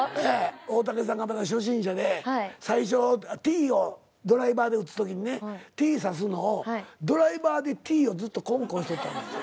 大竹さんがまだ初心者で最初ドライバーで打つときにティーさすのをドライバーでティーをずっとコンコンしてたんですよ。